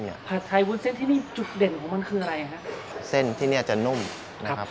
ผัดไทยวุ้นเส้นที่นี่จุดเด่นของมันคืออะไรฮะเส้นที่นี่จะนุ่มนะครับ